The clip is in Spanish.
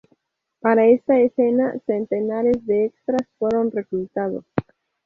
Para esta escena, centenares de extras fueron reclutados.